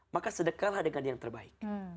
maka sedekahlah dengan yang terbaik